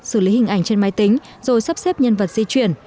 xử lý hình ảnh trên máy tính rồi sắp xếp nhân vật di chuyển